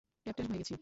Captain হয়ে গেছি!